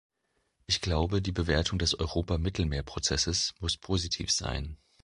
Ich glaube, die Bewertung des Europa-Mittelmeer-Prozesses muss positiv sein.